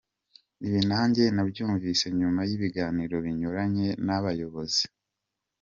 Ibi nanjye nabyumvise nyuma y’ibiganiro binyuranye n’abayobozi.